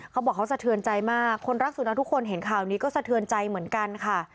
เขาบอกเขาสะเทือนใจมากคนรักสุนัขทุกคนเห็นข่าวนี้ก็สะเทือนใจเหมือนกันค่ะ